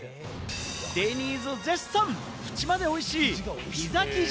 デニーズ絶賛、縁までおいしいピザ生地。